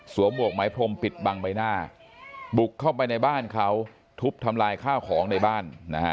หมวกไม้พรมปิดบังใบหน้าบุกเข้าไปในบ้านเขาทุบทำลายข้าวของในบ้านนะฮะ